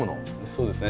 そうですね。